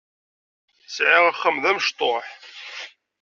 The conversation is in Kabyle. Sɛiɣ axxam d amecṭuḥ.